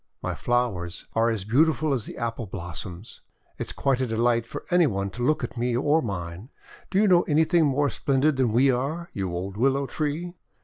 My flowers are as beautiful as the Apple blossoms! It is quite a delight for any one to look at me or mine! Do you know anything more splendid than we are, you old Willow Tree?"